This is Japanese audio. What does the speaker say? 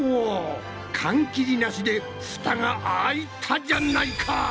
缶切りなしでフタが開いたじゃないか！